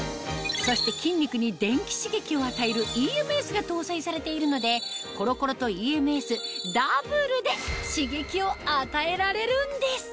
そして筋肉に電気刺激を与えるＥＭＳが搭載されているのでコロコロとＥＭＳダブルで刺激を与えられるんです